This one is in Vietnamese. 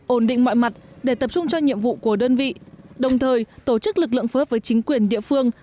ổn định mọi mặt để tập trung cho nhiệm vụ của đơn vị đồng thời tổ chức lực lượng phối hợp với chính quyền địa phương